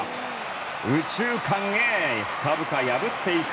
右中間へ、深々破っていく。